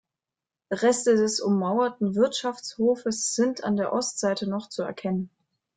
Reste des ummauerten Wirtschaftshofes sind an der Ostseite noch zu erkennen.